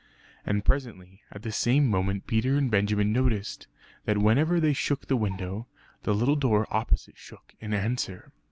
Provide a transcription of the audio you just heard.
And presently at the same moment Peter and Benjamin noticed that whenever they shook the window the little door opposite shook in answer.